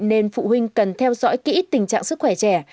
nên phụ huynh cần theo dõi kỹ tình trạng sức khỏe trẻ